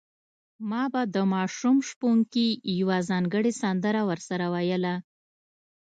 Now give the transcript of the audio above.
ما به د ماشوم شپونکي یوه ځانګړې سندره ورسره ویله.